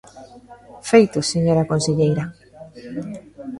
¡Feitos, señora conselleira!